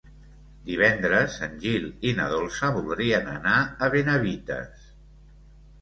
Divendres en Gil i na Dolça voldrien anar a Benavites.